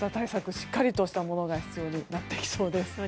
しっかりとしたものが必要になってきそうです